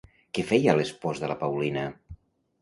Què feia l'espòs de la Paulina?